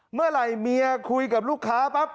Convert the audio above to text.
เมื่อไหร่เมียคุยกับลูกค้าปั๊บ